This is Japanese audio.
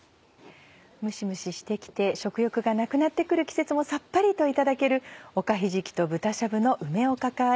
蒸し蒸しして来て食欲がなくなって来る季節もさっぱりといただけるおかひじきと豚しゃぶの梅おかかあえ。